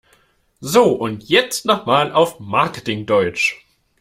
So, und jetzt noch mal auf Marketing-Deutsch!